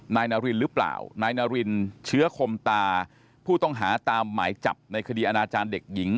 นายนารินหรือเปล่านายนารินเชื้อคมตาผู้ต้องหาตามหมายจับในคดีอนาจารย์เด็กหญิง